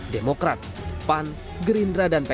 demokrat pan gerindra dan pks